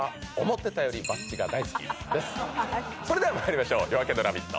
それではまいりましょう「夜明けのラヴィット！」